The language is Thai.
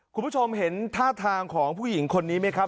คุณผู้ชมเห็นท่าทางของผู้หญิงคนนี้ไหมครับ